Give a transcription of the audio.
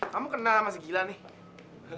kamu kena sama segila nih